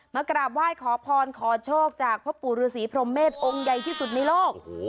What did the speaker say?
มากราบไหว้ขอพรขอโชคจากพ่อปู่ฤษีพรมเมษองค์ใหญ่ที่สุดในโลก